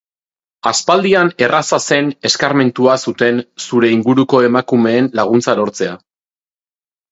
Aspaldian erraza zen eskarmentua zuten zure inguruko emakumeen laguntza lortzea.